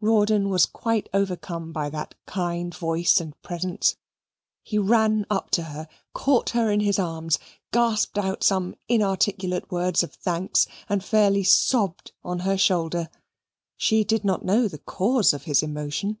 Rawdon was quite overcome by that kind voice and presence. He ran up to her caught her in his arms gasped out some inarticulate words of thanks and fairly sobbed on her shoulder. She did not know the cause of his emotion.